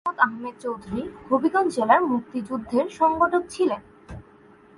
ইসমত আহমেদ চৌধুরী হবিগঞ্জ জেলার মুক্তিযুদ্ধের সংগঠক ছিলেন।